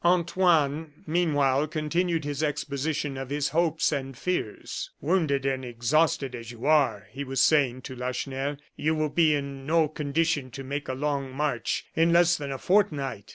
Antoine, meanwhile, continued his exposition of his hopes and fears. "Wounded and exhausted as you are," he was saying to Lacheneur, "you will be in no condition to make a long march in less than a fortnight.